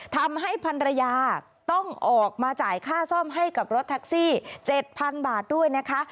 ทำให้พันรยาต้องออกมาจ่ายค่าซ่อมให้กับรถแท็กซี่๗๐๐บาทด้วยนะคะ